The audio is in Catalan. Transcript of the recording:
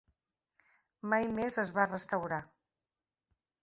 Mai més es va restaurar.